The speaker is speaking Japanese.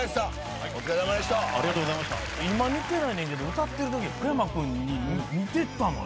今似てないけど歌ってるとき福山君に似てたのよね。